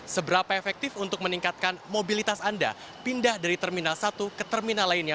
seberapa efektif untuk meningkatkan mobilitas anda pindah dari terminal satu ke terminal lainnya